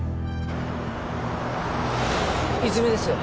泉です